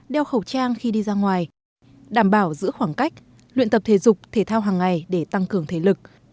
đeo khẩu trang khi đi ra ngoài đảm bảo giữ khoảng cách luyện tập thể dục thể thao hàng ngày để tăng cường thể lực